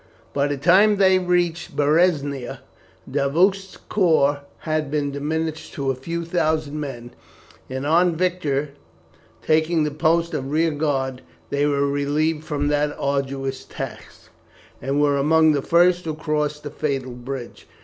By the time they reached the Berezina, Davoust's corps had been diminished to a few thousand men, and on Victor taking the post of rear guard, they were relieved from that arduous task, and were among the first who crossed the fatal bridge.